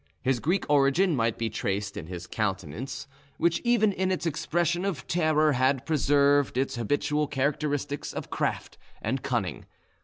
His Greek origin might be traced in his countenance, which even in its expression of terror had preserved its habitual characteristics of craft and cunning.